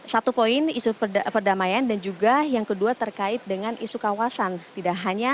satu poin isu perdamaian dan juga yang kedua terkait dengan isu kawasan tidak hanya antara amerika serikat dan juga jokowi